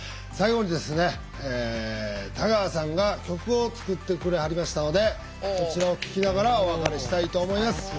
最後にですね田川さんが曲を作ってくれはりましたのでこちらを聴きながらお別れしたいと思います。